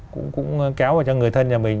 cũng kéo vào cho người thân nhà mình